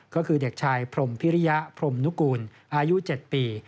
ก็คือเด็กชายพรมพิริยพรมนุกูลอายุ๗ปี